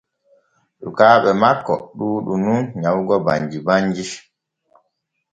Sukaaɓe makko ɗuuɗu nun nyawugo banji banji.